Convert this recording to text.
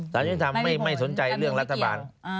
ยุทธธรรมไม่สนใจเรื่องรัฐบาล